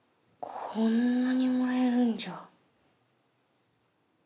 こんなにもらえるんじゃ。